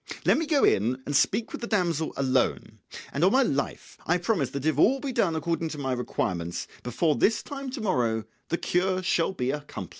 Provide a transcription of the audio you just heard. Let me go in and speak with the damsel alone, and on my life I promise that if all be done according to my requirements, before this time to morrow the cure shall be accomplished."